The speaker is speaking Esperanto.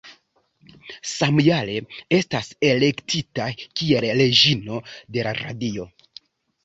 Samjare estas elektita kiel Reĝino de la Radio.